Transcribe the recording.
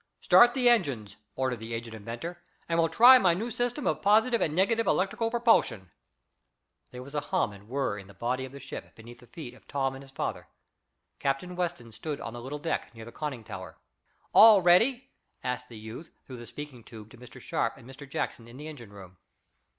"Start the engines," ordered the aged inventor, "and we'll try my new system of positive and negative electrical propulsion." There was a hum and whir in the body of the ship beneath the feet of Tom and his father. Captain Weston stood on the little deck near the conning tower. "All ready?" asked the youth through the speaking tube to Mr. Sharp and Mr. Jackson in the engine room.